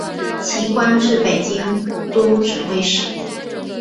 其官至北京都指挥使。